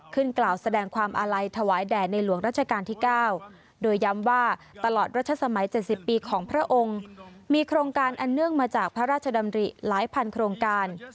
กล่าวแสดงความอาลัยถวายแด่ในหลวงรัชกาลที่๙โดยย้ำว่าตลอดรัชสมัย๗๐ปีของพระองค์มีโครงการอันเนื่องมาจากพระราชดำริหลายพันโครงการ